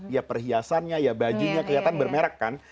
ya perhiasannya ya bajunya kelihatan bermerek kan